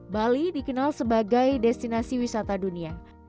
bali dikenal sebagai destinasi wisata dunia